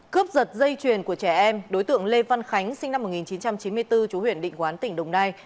cướp giật dây chuyền của trẻ em đối tượng lê văn khánh sinh năm một nghìn chín trăm chín mươi bốn chú huyện định quán tỉnh đồng nai